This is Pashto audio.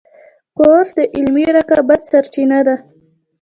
کورس د علمي رقابت سرچینه ده.